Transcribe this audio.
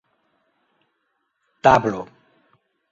tablo